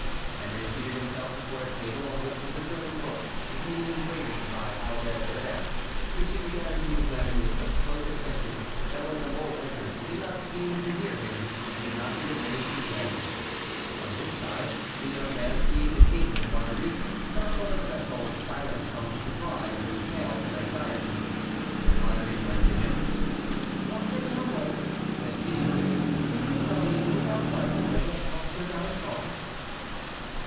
Henry seated himself before a table on which was a German book containing engravings by Albert Durer, which he began to examine with such close attention that when La Mole entered he did not seem to hear him, and did not even raise his head. On his side, the young man, seeing the king with Marguerite, stopped on the threshold, silent from surprise and pale from anxiety. Marguerite went to him. "Monsieur de la Mole," said she, "can you tell me who is on guard to day at Monsieur d'Alençon's?"